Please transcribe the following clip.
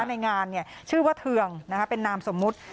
ในงานเนี้ยชื่อว่าเทืองนะคะเป็นนามสมมติ